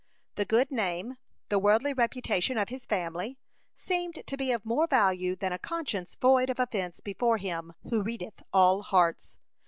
The good name, the worldly reputation of his family, seemed to be of more value than a conscience void of offence before Him who readeth all hearts.